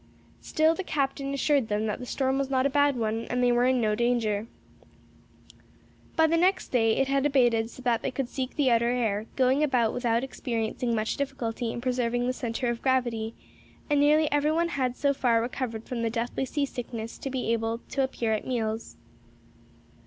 Still the captain assured them the storm was not a bad one and they were in no danger. By the next day it had abated so that they could seek the outer air, going about without experiencing much difficulty in preserving the centre of gravity; and nearly every one had so far recovered from the deathly sea sickness as to be able to appear at meals.